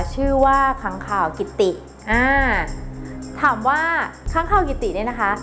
ชื่อว่าค้างข่าวกิติอ่าถามว่าค้างคาวกิติเนี่ยนะคะ